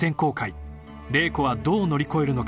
［麗子はどう乗り越えるのか？］